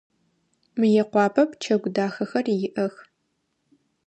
Мыекъуапэ пчэгу дахэхэр иӏэх.